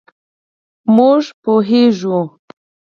مونږ پوهیږو